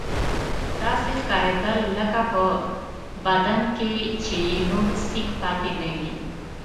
داسې ښکارېدل لکه په بدن کې چې یې نور سېک پاتې نه وي.